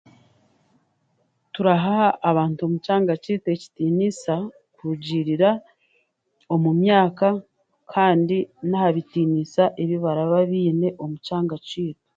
Turaha abantu omu'kyanga kyeitu ekitinisa kurugiriira omu myaka kandi nahabitiinisa ebi baraaba beine omu kyanga kyaitu.